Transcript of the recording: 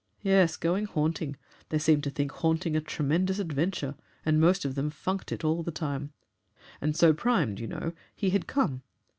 Yes going haunting! They seemed to think 'haunting' a tremendous adventure, and most of them funked it all the time. And so primed, you know, he had come."